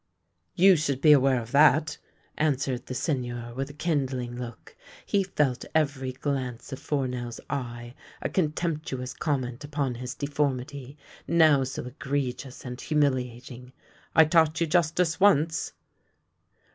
You should be aware of that," answered the Sei gneur with a kindling look. He felt every glance of Fournel's eye a contemptuous comment upon his de formity, now so egregious and humiliating. " I taught you justice once."